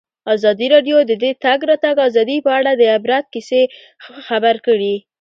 ازادي راډیو د د تګ راتګ ازادي په اړه د عبرت کیسې خبر کړي.